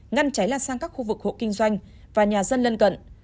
ngăn cháy lan sang các khu vực hộ kinh doanh và nhà dân lân cận